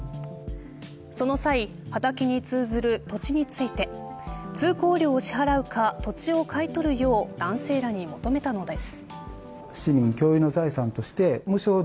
その際、畑に通ずる土地について通行料を支払うか土地を買い取るよう、男性らに求めたのです。